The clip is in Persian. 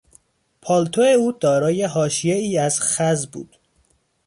پالتو او دارای حاشیهای از خز بود.